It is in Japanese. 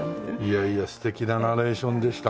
いやいや素敵なナレーションでしたねえ。